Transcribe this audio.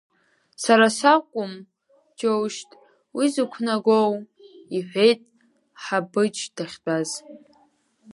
Сара сакәым, џьоушьҭ, уи зықәнагоу, — иҳәеит Ҳабыџь дахьтәаз.